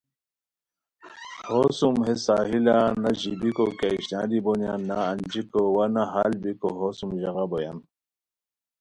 ہوسوم ہے ساحلہ نہ ژیبیکو کیہ اشناری بونیان نہ انجیکو وا نہ ہال بیکو ہو سوم ژاغہ بویان